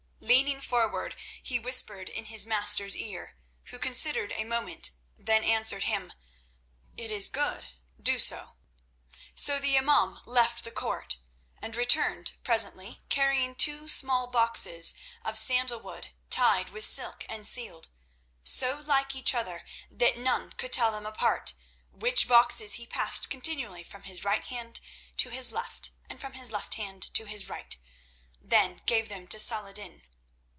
Leaning forward, he whispered in his master's ear, who considered a moment, then answered him: "It is good. Do so." So the imaum left the court, and returned presently carrying two small boxes of sandalwood tied with silk and sealed, so like each other that none could tell them apart, which boxes he passed continually from his right hand to his left and from his left hand to his right, then gave them to Saladin.